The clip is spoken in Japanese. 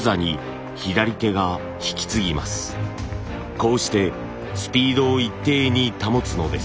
こうしてスピードを一定に保つのです。